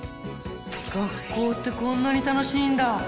学校ってこんなに楽しいんだ！